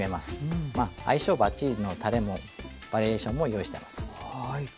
相性ばっちりのたれもバリエーションも用意してます。